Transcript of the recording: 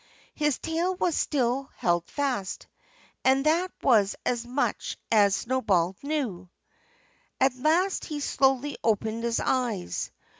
His tail was still held fast. And that was as much as Snowball knew. At last he slowly opened his eyes.